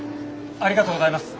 ありがとうございます。